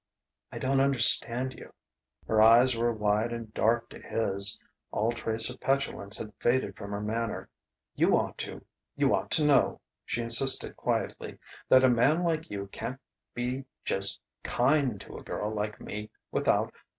"I don't understand you " Her eyes were wide and dark to his; all trace of petulance had faded from her manner. "You ought to. You ought to know," she insisted quietly, "that a man like you can't be just kind to a girl like me without....